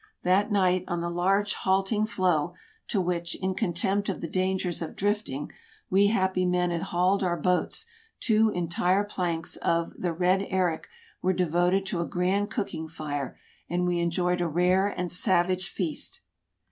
That night, on the large halting floe, to which, in contempt of the dangers of drifting, we happy men had hauled our boats, two entire planks of the " Red Eric " were devoted to a grand cooking fire, and we enjoyed a rare and savage feast.